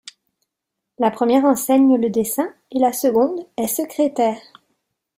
La première enseigne le dessin et la seconde est secrétaire.